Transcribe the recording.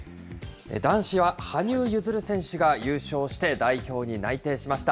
男子は羽生結弦選手が優勝して代表に内定しました。